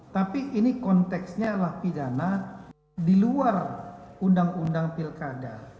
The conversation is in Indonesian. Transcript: tapi ini konteksnya adalah pidana di luar undang undang pilkada